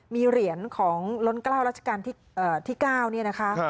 มีเหรียญของล้นกล้าวรัชกาลที่๙นี่นะคะ